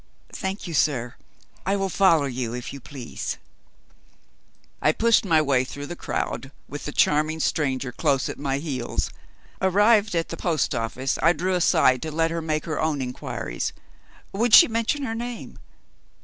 "Thank you, sir, I will follow you, if you please." I pushed my way through the crowd, with the charming stranger close at my heels. Arrived at the post office, I drew aside to let her make her own inquiries. Would she mention her name?